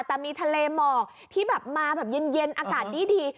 แต่มีทะเลหมอกที่แบบมาแบบเย็นอากาศดี